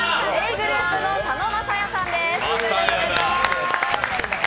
ｇｒｏｕｐの佐野晶哉さんです。